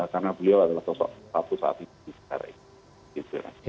karena beliau adalah sosok apu saat ini